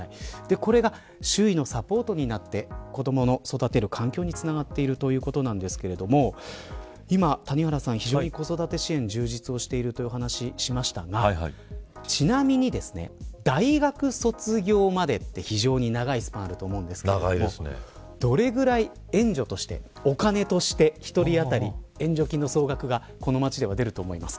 これが周囲のサポートになって子どもの育てる環境につながっているということなんですが今谷原さん、非常に子育て支援充実しているとお話をしましたがちなみに、大学卒業までって非常に長いスパンがあると思うんですがどれぐらい援助としてお金として１人当たり、援助金の総額がこの町では出ると思いますか。